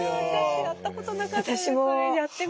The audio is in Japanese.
私やったことなかったです。